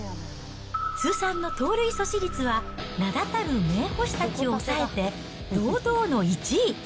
通算の盗塁阻止率は名だたる名捕手たちを抑えて堂々の１位。